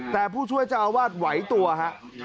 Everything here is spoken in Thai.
แต่ผู้ช่วยเจ้าอาวาสไหวตัวฮะ